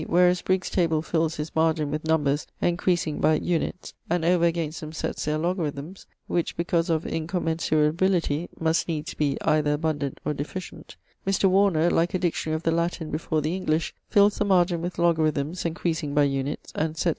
whereas Briggs's table fills his margin with numbers encreasing by unites, and over against them setts their logarithms, which because of incommensurability must needs either abundant or deficient; Mr. Warner (like a dictionary of the Latine before the English) fills the margin with logarithmes encreasing by unites, and setts[C.